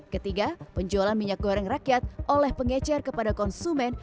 ketiga penjualan minyak goreng rakyat oleh pengecer kepada konsumen